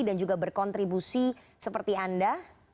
dan juga berkontribusi seperti anda